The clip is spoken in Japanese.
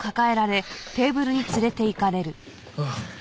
ああ。